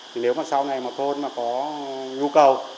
thì nếu mà sau này mà thôn mà có nhu cầu